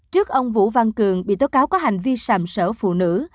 trước ông vũ văn cường bị tố cáo có hành vi sàm sở phụ nữ